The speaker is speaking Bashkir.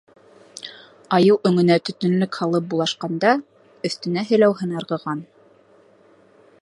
Айыу өңөнә төтөнлөк һалып булашҡанда, өҫтөнә һеләүһен ырғыған.